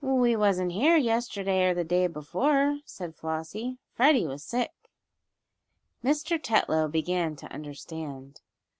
"We wasn't here yesterday or the day before," said Flossie. "Freddie was sick." Mr. Tetlow began to understand.